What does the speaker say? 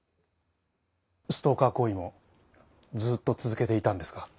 ストーカー行為もずっと続けていたんですか？